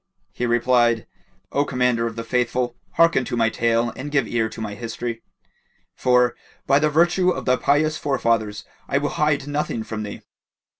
He replied, "O Commander of the Faithful, hearken to my tale and give ear to my history; for, by the virtue of thy pious forefathers, I will hide nothing from thee!"